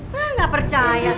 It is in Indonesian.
wah gak percaya